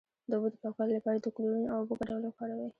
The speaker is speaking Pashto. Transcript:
د اوبو د پاکوالي لپاره د کلورین او اوبو ګډول وکاروئ